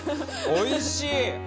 おいしい！